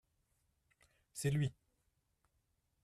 C’est lui.